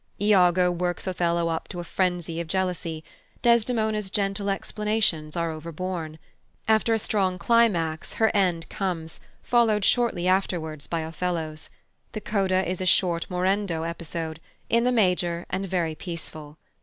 Iago works Othello up to a frenzy of jealousy; Desdemona's gentle explanations are overborne. After a strong climax her end comes, followed shortly afterwards by Othello's. The coda is a short morendo episode, in the major, and very peaceful.